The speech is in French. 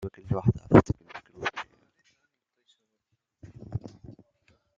Il y a là matière à plusieurs comédies musicales.